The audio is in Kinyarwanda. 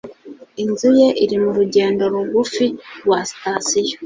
Inzu ye iri mu rugendo rugufi rwa sitasiyo.